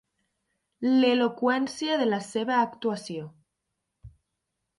L'eloqüència de la seva actuació.